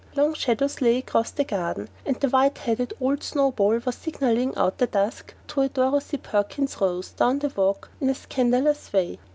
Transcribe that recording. Long shadows lay across the garden, and the white headed old snow ball was signalling out of the dusk to a Dorothy Perkins rose down the walk in a scandalous way.